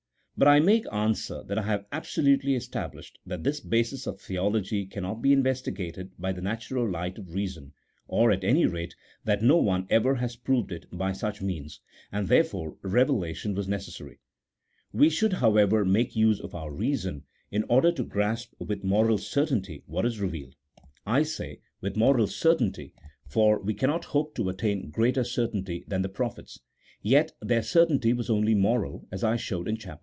But I make answer that I have absolutely established that this basis of theology cannot be investigated by the natural light of reason, or, at any rate, that no one ever has proved it by such means, and, therefore, revelation was necessary. We should, however, make use of our reason, in order to grasp with moral certainty what is revealed — I say, with moral 196 A THEOLOGICO POLITICAL TREATISE. [CHAP. XV. certainty, for we cannot hope to attain greater certainty than the prophets : yet their certainty was only moral, as I showed in Chap.